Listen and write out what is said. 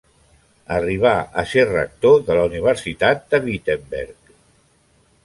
Arribà a ser rector de la Universitat de Wittenberg.